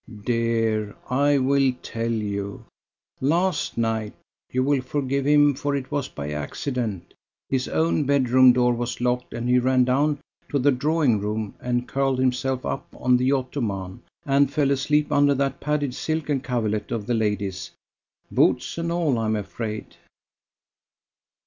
"Dear, I will tell you. Last night You will forgive him, for it was by accident: his own bed room door was locked and he ran down to the drawing room and curled himself up on the ottoman, and fell asleep, under that padded silken coverlet of the ladies boots and all, I am afraid!"